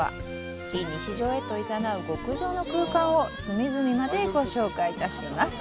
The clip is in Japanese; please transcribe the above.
非日常へと誘う極上の空間を隅々までご紹介いたします。